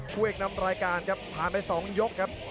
ผู้เอกนำรายการครับผ่านไป๒ยกครับ